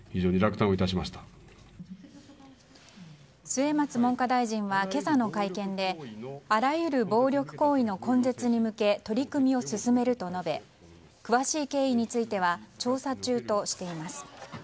末松文科大臣は今朝の会見であらゆる暴力行為の根絶に向け取り組みを進めると述べ詳しい経緯については調査中としています。